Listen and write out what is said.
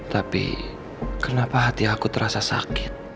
tapi kenapa hati aku terasa sakit